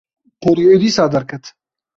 Porê wê dîsa derket